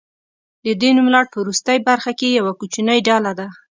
د دې نوملړ په وروستۍ برخه کې یوه کوچنۍ ډله ده.